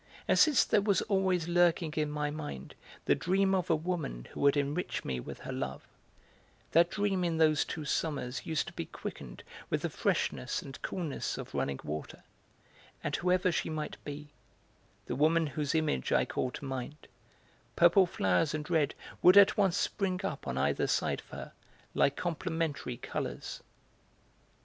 And since there was always lurking in my mind the dream of a woman who would enrich me with her love, that dream in those two summers used to be quickened with the freshness and coolness of running water; and whoever she might be, the woman whose image I called to mind, purple flowers and red would at once spring up on either side of her like complementary colours.